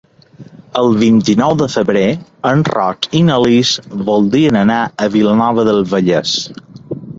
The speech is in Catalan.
El vint-i-nou de febrer en Roc i na Lis voldrien anar a Vilanova del Vallès.